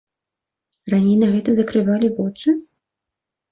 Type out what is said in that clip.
Раней на гэта закрывалі вочы?